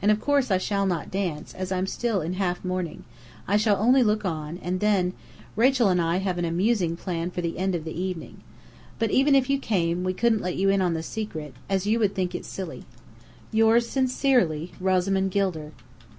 And of course I shall not dance, as I'm still in half mourning. I shall only look on, and then Rachel and I have an amusing plan for the end of the evening. But even if you came, we couldn't let you into the secret, as you would think it silly. Yours sincerely, ROSAMOND GILDER.